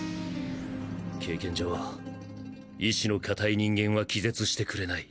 経験上意志の固い人間は気絶してくれない。